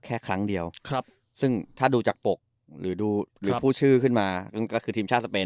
แค่ครั้งเดียวซึ่งถ้าดูจากปกหรือดูหรือพูดชื่อขึ้นมาก็คือทีมชาติสเปน